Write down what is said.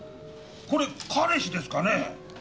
これ彼氏ですかね？